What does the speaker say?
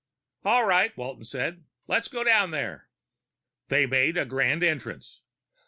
"All right," Walton said. "Let's go down there." They made a grand entrance.